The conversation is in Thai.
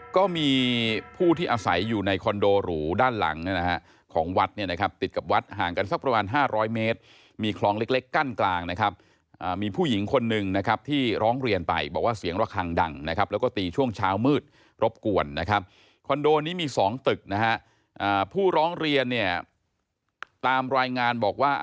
ก็มีผู้ที่อาศัยอยู่ในคอนโดหรูด้านหลังเนี่ยนะฮะของวัดเนี่ยนะครับติดกับวัดห่างกันสักประมาณ๕๐๐เมตรมีคลองเล็กเล็กกั้นกลางนะครับมีผู้หญิงคนหนึ่งนะครับที่ร้องเรียนไปบอกว่าเสียงระคังดังนะครับแล้วก็ตีช่วงเช้ามืดรบกวนนะครับคอนโดนี้มี๒ตึกนะฮะผู้ร้องเรียนเนี่ยตามรายงานบอกว่า